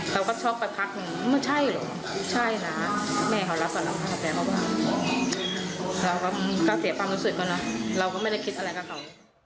เราก็เสียความรู้สึกกันนะเราก็ไม่ได้คิดอะไรกับเขา